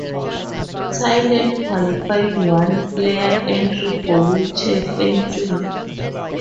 Thailand qualified one player entry for wheelchair fencing.